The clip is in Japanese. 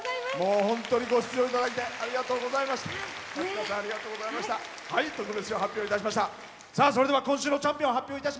本当にご出場いただいてありがとうございました。